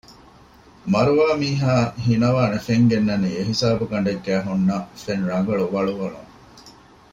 މަރުވާ މީހާ ހިނަވާނެ ފެން ގެންނަނީ އެހިސާބުގަނޑެއްގައި ހުންނަ ފެން ރަނގަޅު ވަޅުވަޅުން